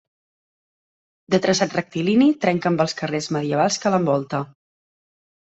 De traçat rectilini, trenca amb els carrers medievals que l'envolta.